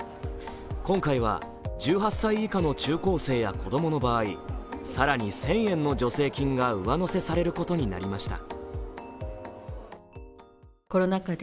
今回は、１８歳以下の中高生や子供の場合、更に１０００円の助成金が上乗せされることになりました。